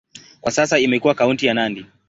Kwa sasa imekuwa kaunti ya Nandi.